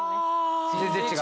全然違う？